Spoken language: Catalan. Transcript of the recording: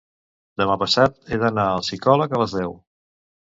Demà passat he d'anar al psicòleg a les deu.